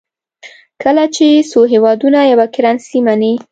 کله چې څو هېوادونه یوه کرنسي مني.